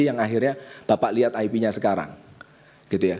yang akhirnya bapak lihat ip nya sekarang